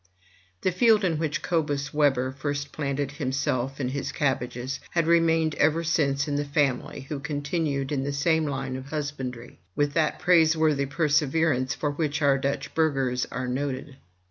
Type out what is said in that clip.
The field in which Cobus Webber first planted himself and his cabbages had remained ever since in the family, who contin ued in the same line of husbandry, with that praiseworthy perse verance for which our Dutch burghers are noted.